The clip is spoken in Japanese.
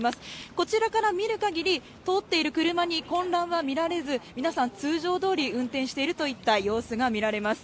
こちらから見るかぎり、通っている車に混乱は見られず、皆さん通常どおり運転しているといった様子が見られます。